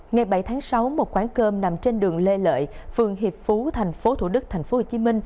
ngày bảy tháng sáu một quán cơm nằm trên đường lê lợi phường hiệp phú tp thủ đức tp hcm